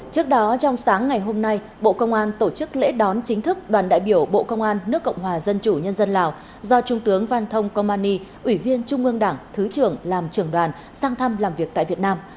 trước đó trong sáng ngày hôm nay bộ công an tổ chức lễ đón chính thức đoàn đại biểu bộ công an nước cộng hòa dân chủ nhân dân lào do trung tướng van thông công ani ủy viên trung ương đảng thứ trưởng làm trưởng đoàn sang thăm làm việc tại việt nam